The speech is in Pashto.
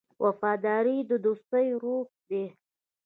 وفاداري د دوستۍ روح دی.